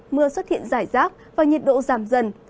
mưa xuất hiện rải rác và nhiệt độ giảm dần